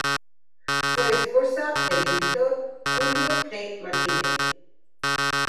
Fue esposa del pintor Julio T. Martínez.